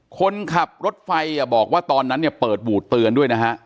คนขับรถไฟบอกว่าตอนนั้นเนี่ยเปิดบูดเตือนด้วยนะฮะ